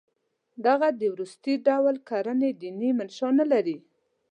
دغه د وروستي ډول کړنې دیني منشأ نه لري.